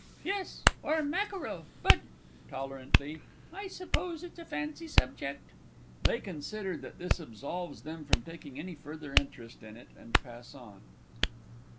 Yes or mackerel. But (tolerantly) I suppose it's a fancy subject. [_They consider that this absolves them from taking any further interest in it, and pass on.